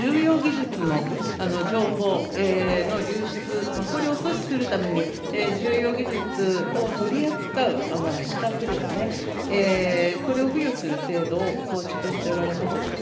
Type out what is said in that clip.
おっしゃいますとおり、先進諸国では、重要技術の情報の流出、これを阻止するために重要技術を取り扱う資格ですね、これを付与する制度を構築しておられます。